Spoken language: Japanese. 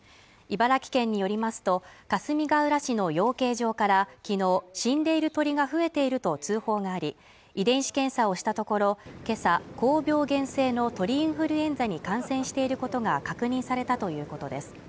茨城県によりますとかすみがうら市の養鶏場からきのう死んでいる鳥が増えていると通報があり遺伝子検査をしたところけさ高病原性の鳥インフルエンザに感染していることが確認されたということです